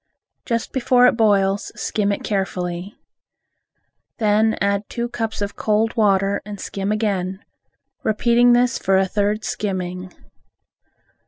Just before it boils, skim it carefully. Then add two cups of cold water and skim again, repeating this for a third skimming.